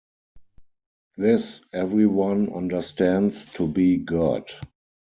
This everyone understands to be God.